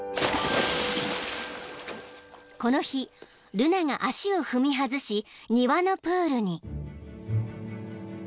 ［この日ルナが足を踏み外し庭のプールに］